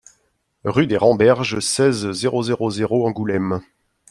Rue des Remberges, seize, zéro zéro zéro Angoulême